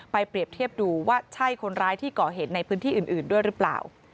เปรียบเทียบดูว่าใช่คนร้ายที่ก่อเหตุในพื้นที่อื่นด้วยหรือเปล่า